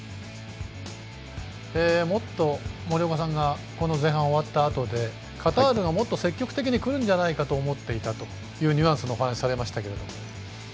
もっと森岡さんがこの前半、終わったあとでカタールがもっと積極的にくるんじゃないかと思っていたというふうなニュアンスの話をされましたけど。